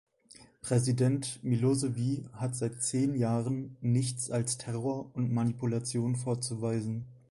Präsident Milosevi hat seit zehn Jahren nichts als Terror und Manipulation vorzuweisen.